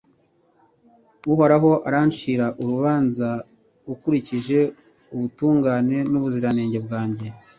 uhoraho, urancire urubanza ukurikije ubutungane, n'ubuziranenge bwanjye